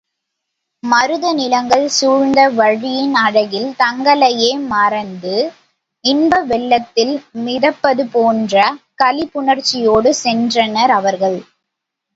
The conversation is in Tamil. மருத நிலங்கள் சூழ்ந்த வழியின் அழகில் தங்களையே மறந்து இன்பவெள்ளத்தில் மிதப்பது போன்ற களிப்புணர்ச்சியோடு சென்றனர் அவர்கள்.